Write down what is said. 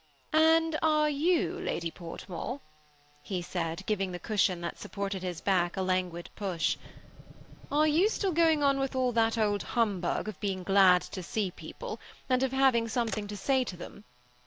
" And are you. Lady Portmore," he said, giving the cushion that supported his back a languid push, —" are you still going on with all that old humbug of being glad to see people, and of having something to say to them